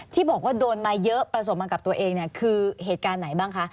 ที่บอกว่าโดนมาเยอะประสบมากับตัวเองเนี่ยคือเหตุการณ์ไหนบ้างคะ